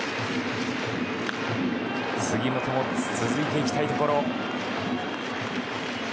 杉本も続いていきたいところ。